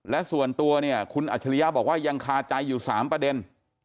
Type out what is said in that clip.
และส่วนตัวเนี่ยคุณอัจฉริยะบอกว่ายังคาใจอยู่๓ประเด็น